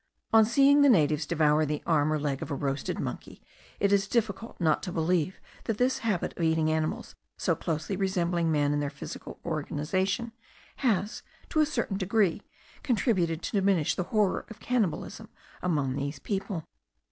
On seeing the natives devour the arm or leg of a roasted monkey, it is difficult not to believe that this habit of eating animals so closely resembling man in their physical organization, has, to a certain degree, contributed to diminish the horror of cannibalism among these people.